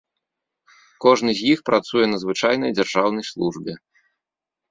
Кожны з іх працуе на звычайнай дзяржаўнай службе.